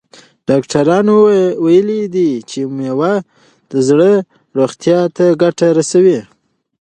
ډاکټرانو ویلي دي چې مېوه د زړه روغتیا ته ګټه رسوي.